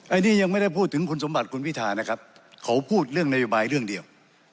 อันนี้ยังไม่ได้พูดถึงคุณสมบัติคุณพิธานะครับเขาพูดเรื่องนโยบายเรื่องเดียว